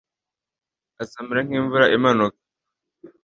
azamera nk'imvura imanuka